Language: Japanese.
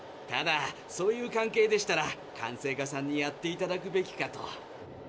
ただそういう関係でしたら管制課さんにやっていただくべきかと。